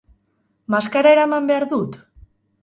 Maskara eraman behar dut?